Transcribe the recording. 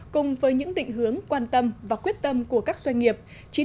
cùng với những định hướng quan tâm và quyết tâm của các doanh nghiệp